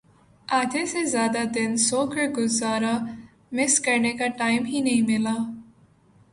آدھے سے زیادہ دن سو کر گزارا مس کرنے کا ٹائم ہی نہیں ملا